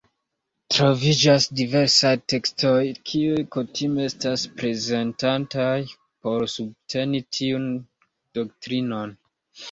Troviĝas diversaj tekstoj kiuj kutime estas prezentataj por subteni tiun doktrinon.